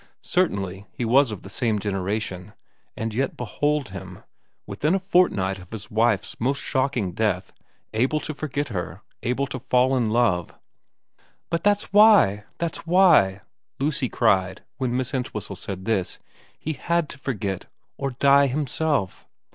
Certainly he was of the same generation ; and yet behold him, within a fortnight of ix VERA 89 his wife's most shocking death, able to forget her, able to fall in love ' But that's why that's why' Lucy cried when Miss Entwhistle said this. ' He had to forget, or die himself.